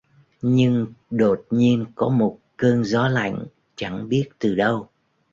Nhưng đột nhiên có một cơn gió lạnh chẳng biết từ đâu